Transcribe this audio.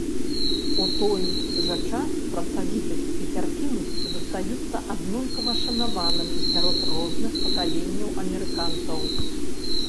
У той жа час працавітасць і цярпімасць застаюцца аднолькава шанаванымі сярод розных пакаленняў амерыканцаў.